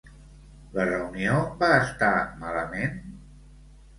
La reunió va estar malament?